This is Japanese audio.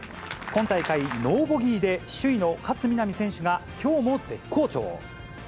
今大会ノーボギーで首位の勝みなみ選手が、きょうも絶好調。